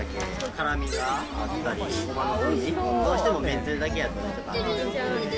辛みがあったり、ごまの風味、どうしてもめんつゆだけやと飽きるので。